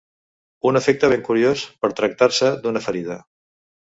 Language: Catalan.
Un efecte ben curiós, per tractar-se d'una ferida